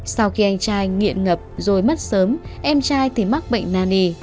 sau khi anh trai nghiện ngập rồi mất sớm em trai thì mắc bệnh nani